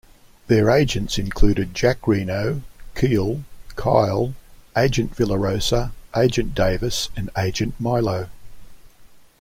Their agents included Jack Reno, Keel, Kyle, Agent Villarosa, Agent Davis and Agent Milo.